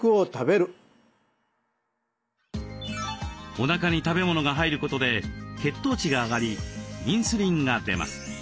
おなかに食べ物が入ることで血糖値が上がりインスリンが出ます。